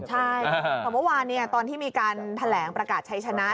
ใช่แต่เมื่อวานตอนที่มีการแถลงประกาศชัยชนะ